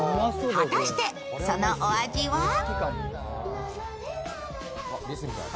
果たして、そのお味は？